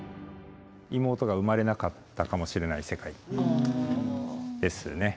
「妹が生まれなかったかもしれない世界」ですね。